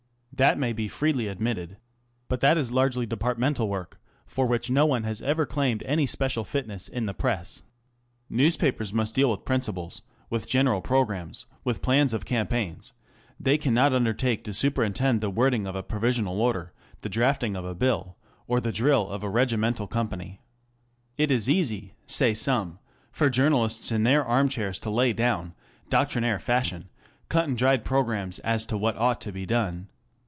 That may be freely admitted. But that is largely departmental work, for which no one has ever claimed any special fitness in the Press. News papers must deal with principles, with general programmes, with plans of campaigns; they cannot undertake to superintend the wording of a provisional order, the drafting of a Bill, or the drill of ^ a regimental company. It is easy, say some, for journalists in their armchairs to lay down, doctrinaire fashion, cut and dried programmes as to what ought to be done.